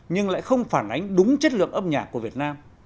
nhưng lại không phản ánh đúng chất lượng âm nhạc của việt nam